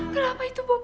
kenapa itu bob